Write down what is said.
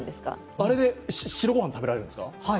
あれで白ご飯食べられるんですか？